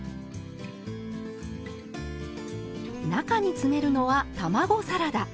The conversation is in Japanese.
中に詰めるのは卵サラダ。